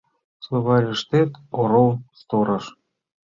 — Словарьыштет орол — сторож.